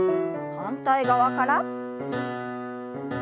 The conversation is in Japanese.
反対側から。